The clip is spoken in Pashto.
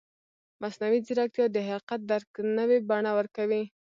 مصنوعي ځیرکتیا د حقیقت درک نوې بڼه ورکوي.